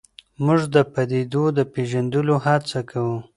موږ د پدیدو د پېژندلو هڅه کوو.